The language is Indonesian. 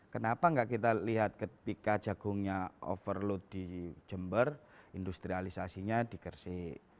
kenapa nggak kita lihat ketika jagungnya overload di jember industrialisasinya di gersik